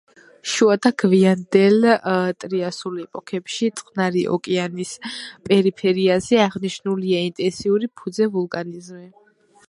შუა და გვიანდელ ტრიასულ ეპოქებში წყნარი ოკეანის პერიფერიაზე აღნიშნულია ინტენსიური ფუძე ვულკანიზმი.